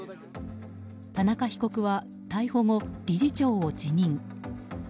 田中被告は逮捕後、理事長を辞任。